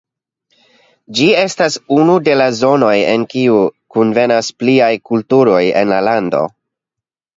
Ĝi estas unu de la zonoj en kiu kunvenas pliaj kulturoj en la lando.